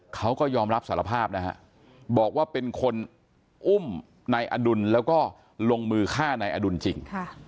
เขาก็ยอมรับสารภาพนะฮะบอกว่าเป็นคนอุ้มนายอดุลแล้วก็ลงมือฆ่านายอดุลจริง